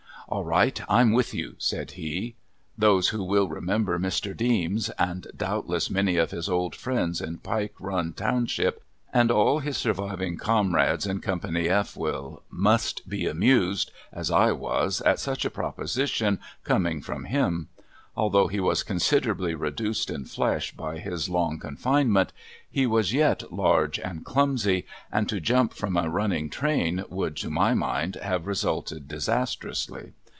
"All right, I'm with you," said he. Those who will remember Mr. Deems, (and doubtless many of his old friends in Pike Run township, and all his surviving comrades in Co. F will) must be amused, as I was, at such a proposition coming from him. Although he was considerably reduced in flesh by his long confinement, he was yet large and clumsy, and to jump from a running train would, to my mind, have resulted disastrously.